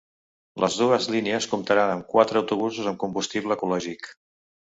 Les dues línies comptaran amb quatre autobusos amb combustible ecològic.